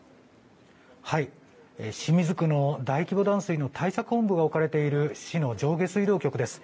清水区の大規模断水の対策本部が置かれている市の上下水道局です。